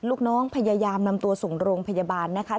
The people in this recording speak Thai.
ลูกน้องพยายามนำตัวส่งโรงพยาบาลนะคะ